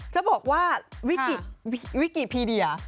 จะบอกว่าวิกิพีเดีย